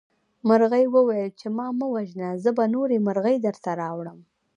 مرغۍ وویل چې ما مه وژنه زه به نورې مرغۍ درته راوړم.